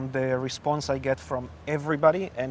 dari jawaban yang saya dapatkan dari semua orang